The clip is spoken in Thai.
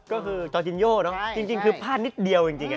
ก็คือจอจินโยจริงคือพลาดนิดเดียวจริงอ่ะ